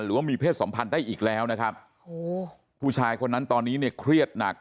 ว่ามีเพศสัมพันธ์ได้อีกแล้วนะครับโอ้โหผู้ชายคนนั้นตอนนี้เนี่ยเครียดหนัก